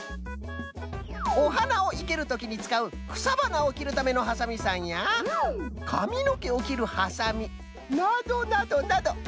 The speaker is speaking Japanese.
おはなをいけるときにつかうくさばなをきるためのハサミさんやかみのけをきるハサミなどなどなど。